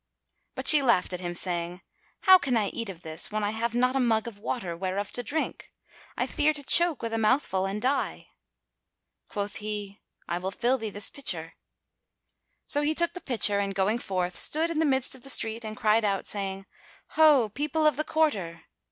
But she laughed at him, saying, "How can I eat of this, when I have not a mug of water whereof to drink? I fear to choke with a mouthful and die." Quoth he, "I will fill thee this pitcher."[FN#248] So he took the pitcher and going forth, stood in the midst of the street and cried out, saying, "Ho, people of the quarter!"